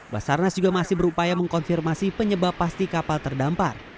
basarnas juga masih berupaya mengkonfirmasi penyebab pasti kapal terdampar